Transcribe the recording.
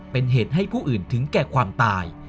เป็นเหตุให้ผู้อื่นถึงแก่ความตาย